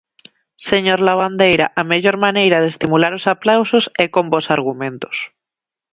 Señor Lavandeira, a mellor maneira de estimular os aplausos é con bos argumentos.